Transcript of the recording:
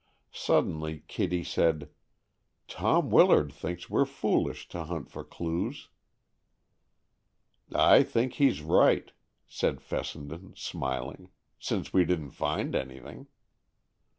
Suddenly Kitty said: "Tom Willard thinks we're foolish to hunt for clues." "I think he's right," said Fessenden, smiling, "since we didn't find anything."